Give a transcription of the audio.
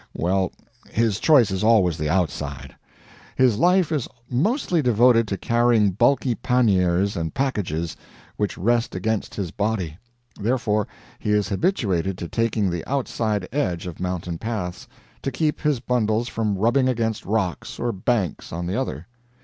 Well, his choice is always the outside. His life is mostly devoted to carrying bulky panniers and packages which rest against his body therefore he is habituated to taking the outside edge of mountain paths, to keep his bundles from rubbing against rocks or banks on the other.